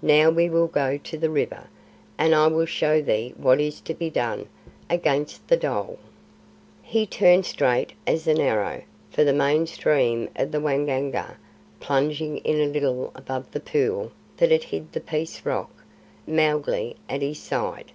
Now we will go to the river, and I will show thee what is to be done against the dhole." He turned, straight as an arrow, for the main stream of the Waingunga, plunging in a little above the pool that hid the Peace Rock, Mowgli at his side.